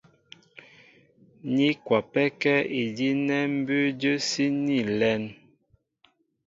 Ní kwapɛ́kɛ́ idí' nɛ́ mbʉ́ʉ́ jə́síní a lɛ́n.